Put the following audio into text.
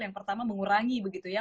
yang pertama mengurangi begitu ya